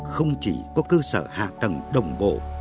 không chỉ có cơ sở hạ tầng đồng bộ